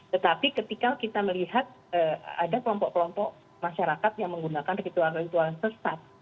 tetapi ketika kita melihat ada kelompok kelompok masyarakat yang menggunakan ritual ritual sesat